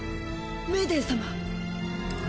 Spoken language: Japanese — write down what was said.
メイデン様！